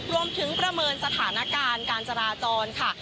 ประเมินสถานการณ์การจราจรค่ะ